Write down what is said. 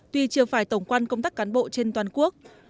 tuy chưa phải tổng quan công tác cán bộ trên toàn quốc